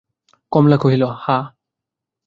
কমলা কহিল, হাঁ।